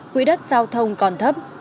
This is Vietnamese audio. quỹ đất giao thông còn thấp